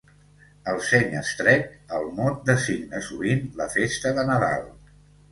Al seny estret, el mot designa sovint la festa de Nadal.